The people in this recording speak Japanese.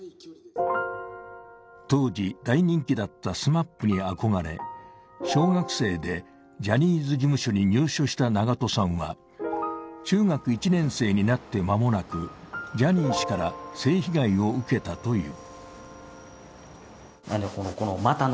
当時大人気だったＳＭＡＰに憧れ、小学生でジャニーズ事務所に入所した長渡さんは、中学１年生になって間もなく、ジャニー氏から性被害を受けたという。